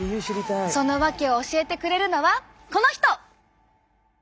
その訳を教えてくれるのはこの人！